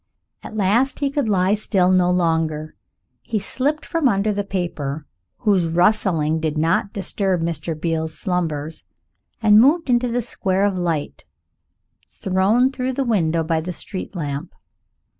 At last he could lie still no longer. He slipped from under the paper, whose rustling did not disturb Mr. Beale's slumbers, and moved into the square of light thrown through the window by the street lamp.